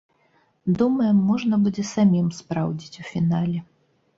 Думаем, можна будзе самім спраўдзіць у фінале.